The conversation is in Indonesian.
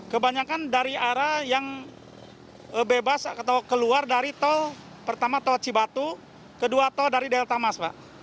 kebanyakan dari arah yang bebas atau keluar dari tol pertama tol cibatu kedua tol dari delta mas pak